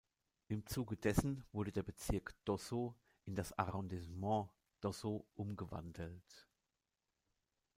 Im Zuge dessen wurde der Bezirk Dosso in das Arrondissement Dosso umgewandelt.